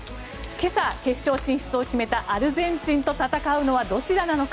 今朝、決勝進出を決めたアルゼンチンと戦うのはどちらなのか。